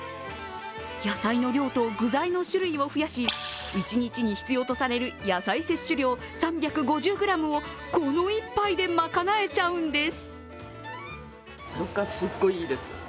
野菜の量と具材の種類を増やし一日に必要とされる野菜摂取量３５０ｇをこの１杯で賄えちゃうんです。